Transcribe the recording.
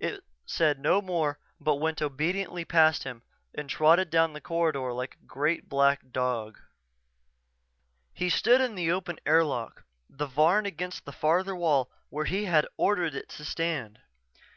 It said no more but went obediently past him and trotted down the corridor like a great, black dog. He stood in the open airlock, the Varn against the farther wall where he had ordered it to stand.